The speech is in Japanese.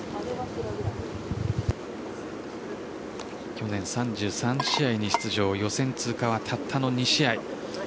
去年３３試合に出場予選通過はたったの２試合。